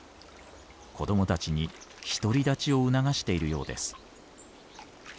子供たちに独り立ちを促しているようです。